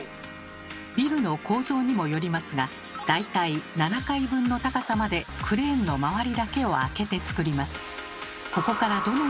ビルの構造にもよりますが大体７階分の高さまでクレーンの周りだけを空けてつくります。